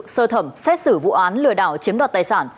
sơ thẩm xét xử vụ án lừa đảo chiếm đoạt tài sản